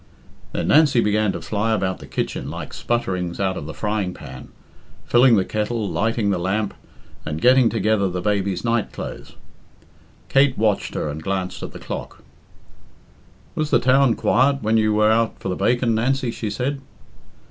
Then Nancy began to fly about the kitchen like sputter ings out of the frying pan filling the kettle, lighting the lamp, and getting together the baby's night clothes. Kate watched her and glanced at the clock. "Was the town quiet when you were out for the bacon, Nancy?" she said.